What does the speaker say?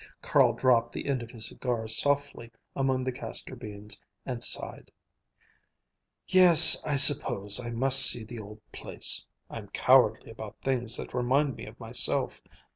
Carl dropped the end of his cigar softly among the castor beans and sighed. "Yes, I suppose I must see the old place. I'm cowardly about things that remind me of myself.